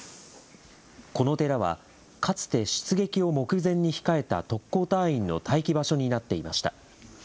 この寺は、かつて出撃を目前に控えた特攻隊員の待機場所になっていました。